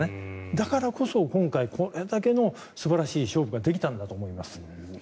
だからこそ、今回これだけの素晴らしい勝負ができたんだと思います。